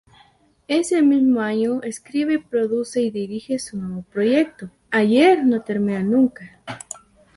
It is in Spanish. Ese mismo año escribe, produce y dirige su nuevo proyecto, "Ayer no termina nunca".